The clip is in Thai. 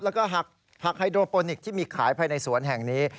แล้วก็ผักไฮโดโปนิกที่มีขายภายในสวนแห่งนี้